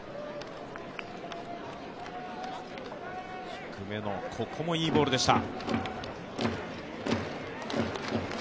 低めの、ここもいいボールでした。